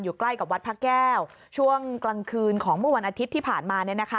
ใกล้กับวัดพระแก้วช่วงกลางคืนของเมื่อวันอาทิตย์ที่ผ่านมา